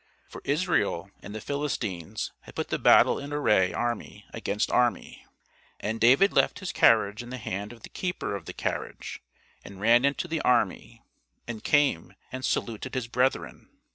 For Israel and the Philistines had put the battle in array army against army. And David left his carriage in the hand of the keeper of the carriage, and ran into the army, and came and saluted his brethren.